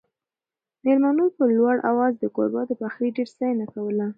مېلمنو په لوړ اواز د کوربه د پخلي ډېره ستاینه کوله.